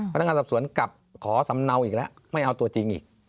พนักงานสอบสวนกลับขอสำเนาอีกแล้วไม่เอาตัวจริงอีก